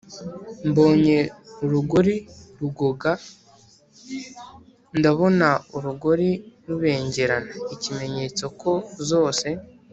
Mbonye urugori rugoga: Ndabona urugori rubengerana (ikimenyetso ko zose